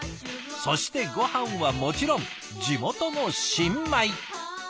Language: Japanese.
そしてごはんはもちろん地元の新米！